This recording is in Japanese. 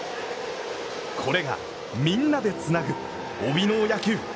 これが、みんなでつなぐ帯農野球。